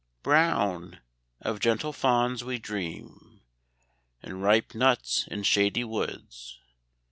Brown of gentle fawns we dream, And ripe nuts in shady woods.